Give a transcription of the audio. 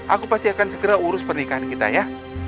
aku pasti akan segera urus pernikahan kita ya